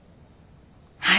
はい。